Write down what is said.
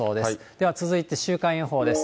では続いて週間予報です。